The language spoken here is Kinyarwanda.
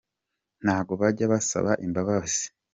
ntago bajya basaba imbabai.